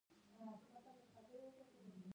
دوی په اسانۍ سره خپل تولیدات کنټرول کړل